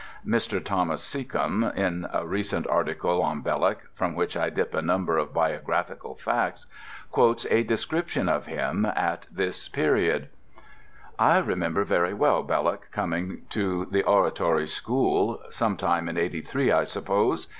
Mr. Thomas Seccombe, in a recent article on Belloc (from which I dip a number of biographical facts), quotes a description of him at this period: "I remember very well Belloc coming to the Oratory School—some time in '83, I suppose.